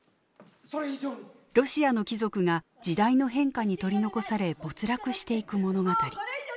ロシアの貴族が時代の変化に取り残され没落していく物語。